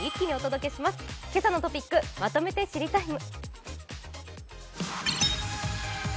「けさのトピックまとめて知りＴＩＭＥ，」